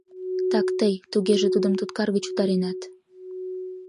— Так тый, тугеже, тудым туткар гыч утаренат?